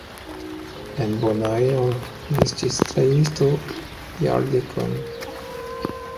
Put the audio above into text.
En Bonaero li estis trejnisto jardekon.